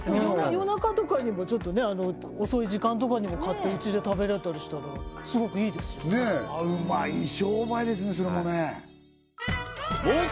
夜中とかにもちょっと遅い時間とかにも買ってうちで食べれたりしたらすごくいいですよねねっうまい商売ですねそれもねなぜか